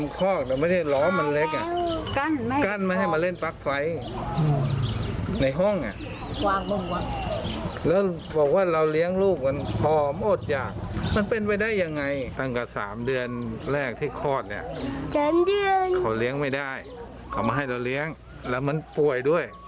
เขาเลี้ยงลูกเลี้ยงไม่ได้เขามาให้เราเลี้ยงแล้วมันป่วยด้วย